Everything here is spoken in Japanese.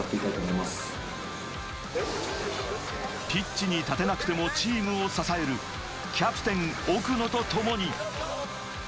ピッチに立てなくてもチームを支えるキャプテン・奥野とともに。